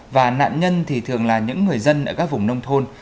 và nạn nhân thì thường là những người dân ở các vùng nông thôn